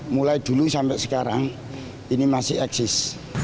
mulai dulu sampai sekarang ini masih eksis